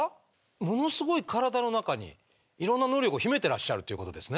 ものすごい体の中にいろんな能力を秘めてらっしゃるっていうことですね？